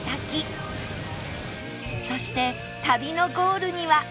そして旅のゴールには